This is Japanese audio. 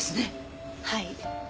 はい。